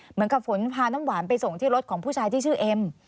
เหมือนกับฝนพาน้ำหวานไปส่งที่รถของผู้ชายที่ชื่อเอ็ม